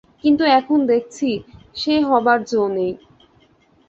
কিন্তু এখন দেখছি, সে হবার জো নেই।